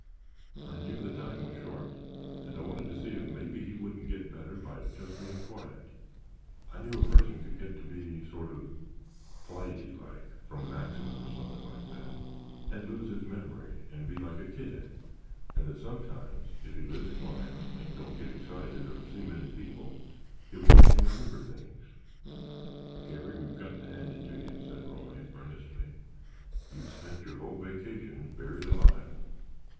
"I knew the time was short and I wanted to see if maybe he wouldn't get better by just being quiet. I knew a person could get to be—sort of—flighty, like, from an accident or something like that, and lose his memory, and be like a kid, and that sometimes, if he lives quiet and don't get excited or see many people, he'll begin to remember things——" "Garry, we've got to hand it to you," said Roy, earnestly. "You've spent your whole vacation buried alive."